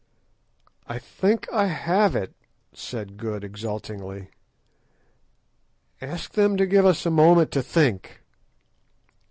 "I think that I have it," said Good exultingly; "ask them to give us a moment to think."